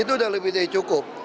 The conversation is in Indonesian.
itu sudah lebih dari cukup